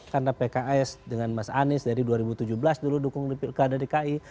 karena pks dengan mas anies dari dua ribu tujuh belas dulu dukung keadaan dki